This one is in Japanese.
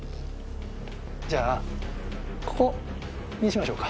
じゃあここにしましょうか？